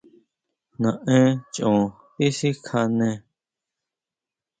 ¿Naen choón tisikjané?